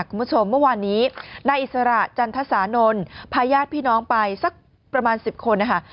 คุณผู้ชมเมื่อวานนี้นายอิสระจันทสานนท์พาญาติพี่น้องไปสักประมาณ๑๐คนนะคะ